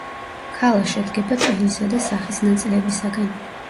ქალა შედგება ტვინისა და სახის ნაწილებისაგან.